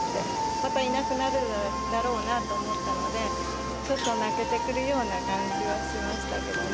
またいなくなるだろうなと思ったので、ちょっと泣けてくるような感じはしましたけどね。